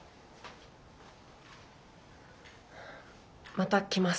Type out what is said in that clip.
また来ます。